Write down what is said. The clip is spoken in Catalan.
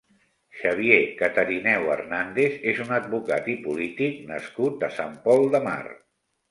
Xavier Catarineu Hernàndez és un advocat i polític nascut a Sant Pol de Mar.